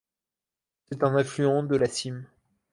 C'est un affluent de la Simme.